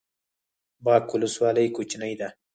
باک ولسوالۍ کوچنۍ ده؟